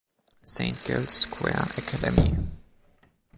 Saint Girls Square Academy.